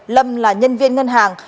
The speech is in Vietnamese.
lâm là nhân viên ngân hàng